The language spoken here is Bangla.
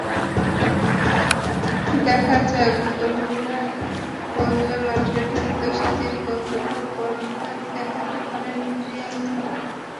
দেখা যাক, অভিনয় করলে মাঠের দ্যুতির কতটা পর্দায় দেখাতে পারেন রিয়াল তারকা।